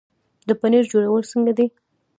د پنیر جوړول څنګه دي؟